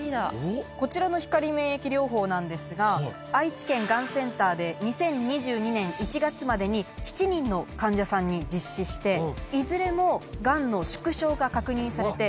こちらの光免疫療法なんですが愛知県がんセンターで２０２２年１月までに７人の患者さんに実施していずれもガンの縮小が確認されて。